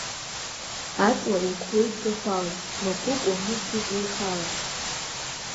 Аҵла уқәлеит ӡахәала, махәык уамысит еихала!